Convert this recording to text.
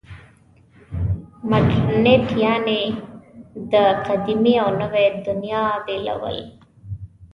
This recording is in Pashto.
مډرنیت یعنې د قدیمې او نوې دنیا بېلول.